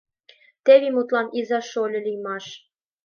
Теве, мутлан, иза-шольо лиймаш...